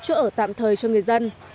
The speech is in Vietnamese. chỗ ở tạm thời cho người dân